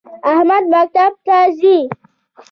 احمد مکتب ته ځی